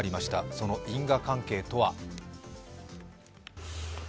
その因果関係とは？